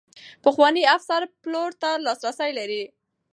پخواني افسران پلور ته لاسرسی لري.